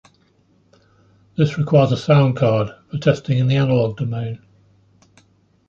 This requires a sound card, for testing in the analog domain.